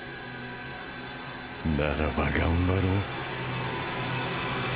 ならば頑張ろう。